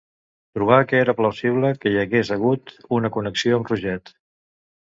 Trobà que era plausible que hi hagués hagut una connexió amb Roget.